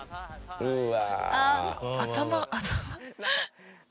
うわ